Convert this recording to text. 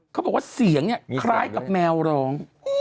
เขาบอกว่าเสียงเนี่ยคล้ายกับแมวร้อง